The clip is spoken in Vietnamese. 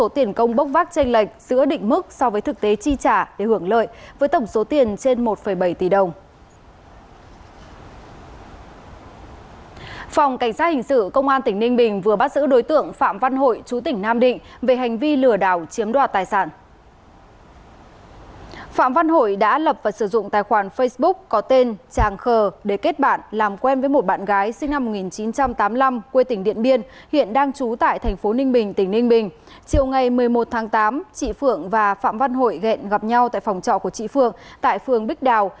một mươi một tháng tám chị phượng và phạm văn hội gẹn gặp nhau tại phòng trọ của chị phượng tại phường bích đào